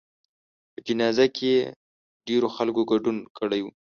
په جنازه کې یې ډېرو خلکو ګډون کړی و.